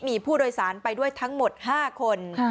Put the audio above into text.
มีผู้โดยสารไปด้วยทั้งหมด๕คน